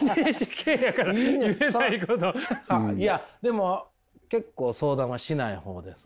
いやでも結構相談はしない方です